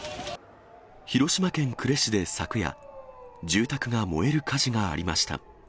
広島県呉市で昨夜、住宅が燃える火事がありました。